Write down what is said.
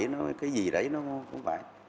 nó cái gì đấy nó không phải